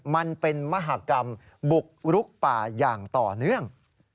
มันเป็นมหากรรมบุกรุกป่าอย่างต่อเนื่อง